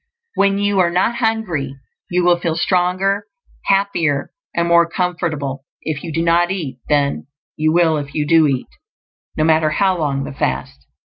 When you are not hungry, you will feel stronger, happier, and more comfortable if you do not eat than you will if you do eat; no matter how long the fast.